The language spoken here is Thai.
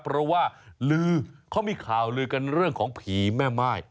เพราะว่าลือเขามีข่าวลือกันเรื่องของผีแม่ม่าย